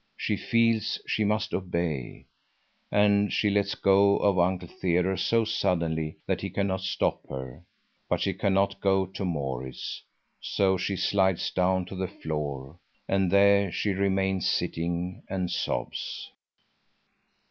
She feels she must obey. And she lets go of Uncle Theodore so suddenly that he cannot stop her, but she cannot go to Maurits; so she slides down to the floor and there she remains sitting and sobs.